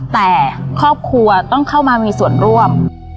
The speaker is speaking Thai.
แต่ครอบครัวต้องเข้ามามีส่วนร่วม